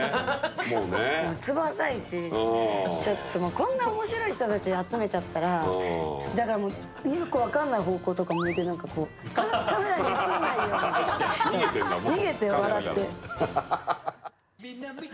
こんな面白い人たち集まっちゃったらだからよく分からない方向とか向いて、カメラに映らないように逃げて笑って。